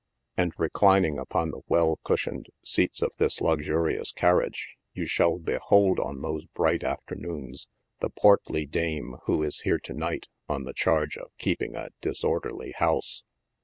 And, reclining upon tha well cushioned seats of this luxurious carriage, you shall behold on those bright afternoons the portly dame who is here to night on the charge of keeping a disor derly house.